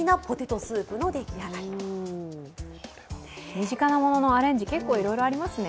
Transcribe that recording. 身近なもののアレンジ、いろいろありますね。